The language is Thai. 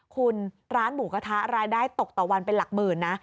คุณร้านหมูกระทะรายได้ตกต่อวันเป็นหลักหมื่นนะ